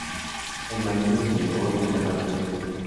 El marino se negó y la nave partió enseguida.